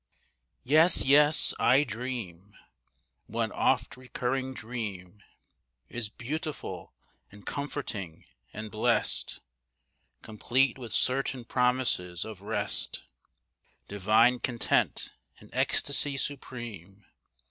Yes, yes, I dream. One oft recurring dream Is beautiful and comforting and blest, Complete with certain promises of rest, Divine content, and ecstasy supreme.